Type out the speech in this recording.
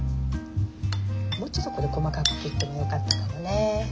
もうちょっとこれ細かく切ってもよかったかもね。